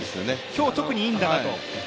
今日特にいいんだなと。